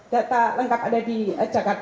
data lengkap ada di jakarta